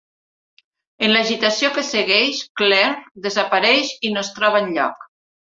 En l'agitació que segueix, Claire desapareix i no es troba enlloc.